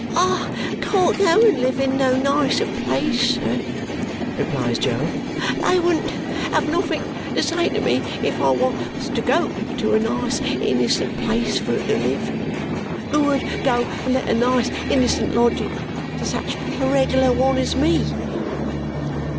"I can't go and live in no nicer place, sir," replies Jo. "They wouldn't have nothink to say to me if I wos to go to a nice innocent place fur to live. Who ud go and let a nice innocent lodging to such a reg'lar one as me!"